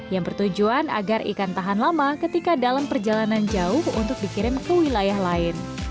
yang bertujuan agar ikan tahan lama ketika dalam perjalanan jauh untuk dikirim ke wilayah lain